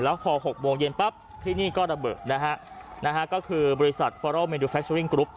แล้วพอ๖โมงเย็นปั๊บที่นี่ก็ระเบิดนะฮะก็คือบริษัทฟอรอลเมนูแฟชริ่งกรุ๊ป